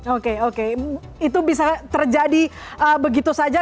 oke oke itu bisa terjadi begitu saja